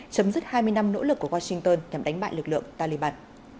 chấm dứt hai mươi năm nỗ lực của washington nhằm đánh bại lực lượng taliban